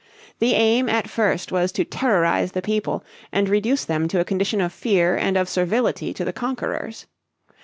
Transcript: The aim at first was to terrorize the people and reduce them to a condition of fear and of servility to the conquerors.